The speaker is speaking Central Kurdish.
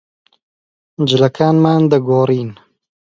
جلەکانمان دەگۆڕین.